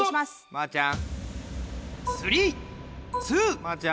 まーちゃん。